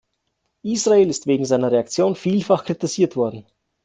Israel ist wegen seiner Reaktion vielfach kritisiert worden.